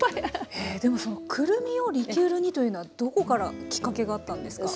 へえでもそのくるみをリキュールにというのはどこからきっかけがあったんですか？